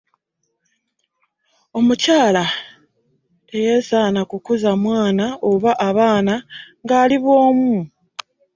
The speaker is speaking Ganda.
Omukyala teyasaana kukuza mwana oba abaana ng'ali bw'omu.